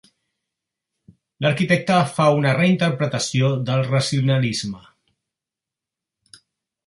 L'arquitecte fa una reinterpretació del racionalisme.